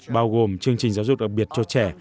bao gồm chương trình giáo dục đặc biệt cho trẻ